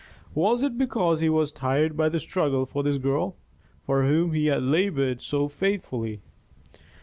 Was it because he was tired by the struggle for this girl, for whom he had labored so faithfully?